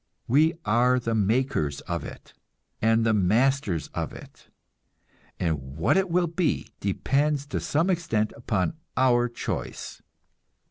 We are the makers of it, and the masters of it, and what it will be depends to some extent upon our choice.